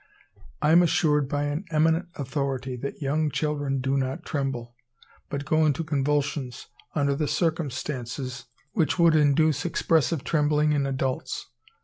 I am assured by an eminent authority that young children do not tremble, but go into convulsions under the circumstances which would induce excessive trembling in adults.